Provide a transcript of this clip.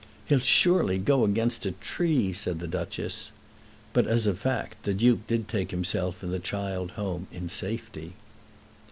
"He'll surely go against a tree," said the Duchess. But, as a fact, the Duke did take himself and the child home in safety.